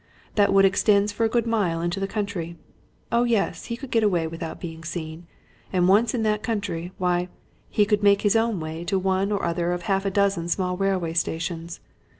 That wood extends for a good mile into the country. Oh, yes! he could get away without being seen, and once in that country, why, he could make his way to one or other of half a dozen small railway stations.